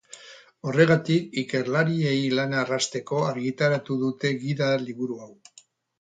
Horregatik, ikerlariei lana errazteko, argitaratu dute gida-liburu hau.